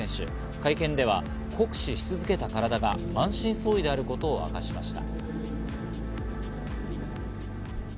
会見では酷使し続けた体が満身創痍であることを明かしました。